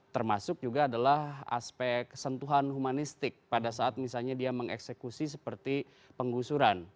termasuk juga adalah aspek sentuhan humanistik pada saat misalnya dia mengeksekusi seperti penggusuran